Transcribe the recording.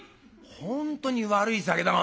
「本当に悪い酒だな